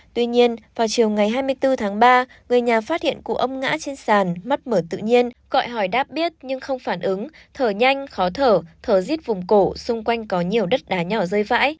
tuy nhiên vào chiều ngày hai mươi bốn tháng ba người nhà phát hiện cụ ông ngã trên sàn mất mở tự nhiên gọi hỏi đáp biết nhưng không phản ứng thở nhanh khó thở thở rít vùng cổ xung quanh có nhiều đất đá nhỏ rơi vãi